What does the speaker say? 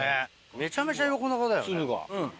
めちゃめちゃ横長だよね。